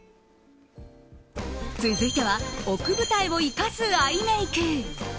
続いては奥二重を生かすアイメイク。